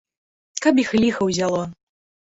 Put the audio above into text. Каб іх ліха узяло!